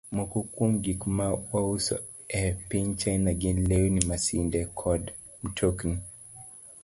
Moko kuom gik ma wauso e piny China gin lewni, masinde, kod mtokni.